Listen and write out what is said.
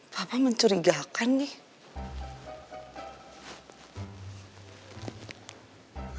papa mencurigakan nih